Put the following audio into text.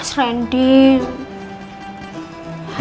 bantuin doang ya